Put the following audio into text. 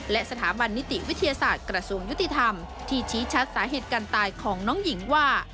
และสถาบันนิติวิทยาศาสตร์กระทรวงยุติธรรมที่ชี้ชัดสาเหตุการณ์ตายของน้องหญิงว่า